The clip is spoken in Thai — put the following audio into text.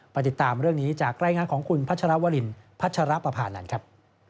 ติดตามเรื่องนี้จากรายงานของคุณพัชรวรินพัชรปภานันทร์ครับ